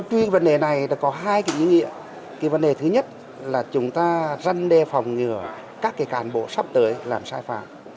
cái vấn đề thứ nhất là chúng ta răn đe phòng ngừa các cái cản bộ sắp tới làm sai phạm